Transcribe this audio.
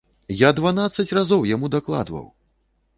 Я дванаццаць разоў яму дакладваў!